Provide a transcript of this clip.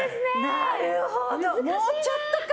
なるほど、もうちょっとか。